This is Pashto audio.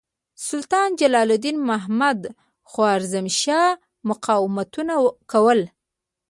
سلطان جلال الدین محمد خوارزمشاه مقاومتونه کول.